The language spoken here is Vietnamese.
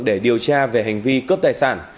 để điều tra về hành vi cướp tài sản